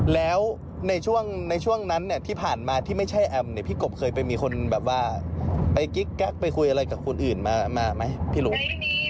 แล้วในช่วงในช่วงนั้นเนี่ยที่ผ่านมาที่ไม่ใช่แอมเนี่ยพี่กบเคยไปมีคนแบบว่าไปกิ๊กแก๊กไปคุยอะไรกับคนอื่นมาไหมพี่หลุม